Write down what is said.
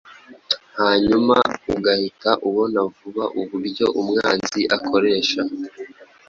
hanyuma ugahita ubona vuba uburyo umwanzi akoresha